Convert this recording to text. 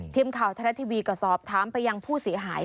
ทีมข่าวธนาทีวีกระซอบถามไปยังผู้เสียหาย